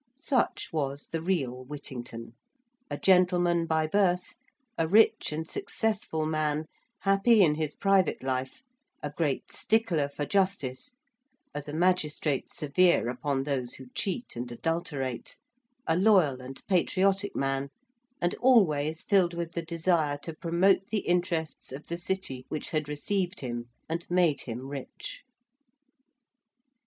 Such was the real Whittington. A gentleman by birth, a rich and successful man, happy in his private life, a great stickler for justice, as a magistrate severe upon those who cheat and adulterate, a loyal and patriotic man, and always filled with the desire to promote the interests of the City which had received him and made him rich.